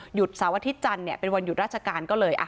เสาร์อาทิตย์จันทร์เนี่ยเป็นวันหยุดราชการก็เลย